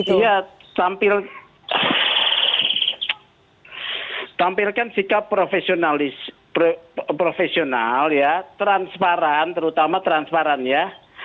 iya tampilkan sikap profesional ya transparan terutama transparan ya